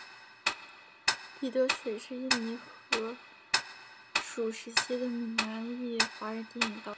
李德水是印尼荷属时期的闽南裔华人电影导演。